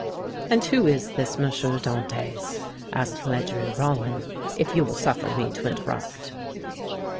"And who is this M. Dantès," asked Ledru Rollin, "if you will suffer me to interrupt?"